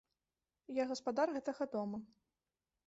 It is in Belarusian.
Я гаспадар гэтага дома.